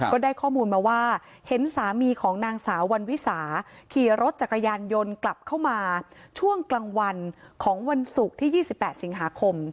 ก็ได้ข้อมูลมาว่าเห็นสามีของนางสาววันวิสาขี่รถจักรยานยนต์กลับเข้ามาช่วงกลางวันของวันศุกร์ที่๒๘สิงหาคม